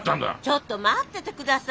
ちょっと待っててください